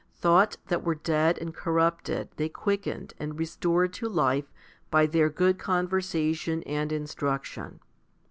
Thoughts that were dead and cor rupted they quickened and restored to life by their good conversation and instruction.